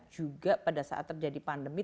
juga pada saat terjadi pandemi